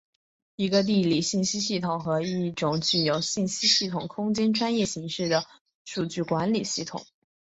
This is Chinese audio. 一个地理信息系统是一种具有信息系统空间专业形式的数据管理系统。